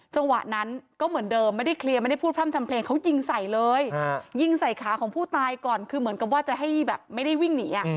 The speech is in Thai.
จังหวะนั้นก็เหมือนเดิมไม่ได้เคลียร์ไม่ได้พูดพร่ำทำเพลงเขายิงใส่เลยยิงใส่ขาของผู้ตายก่อนคือเหมือนกับว่าจะให้แบบไม่ได้วิ่งหนี